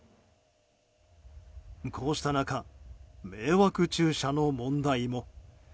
こうした中、迷惑駐車の問題も。